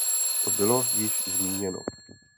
To bylo již zmíněno.